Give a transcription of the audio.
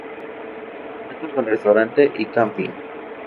Cuenta con restaurante y camping.